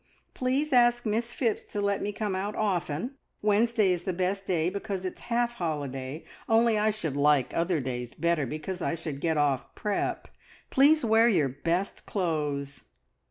Please ask Miss Phipps to let me come out often. Wednesday is the best day, because it's half holiday, only I should like other days better, because I should get off prep. Please wear your best clothes!"